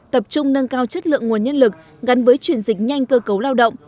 tập trung nâng cao chất lượng nguồn nhân lực gắn với chuyển dịch nhanh cơ cấu lao động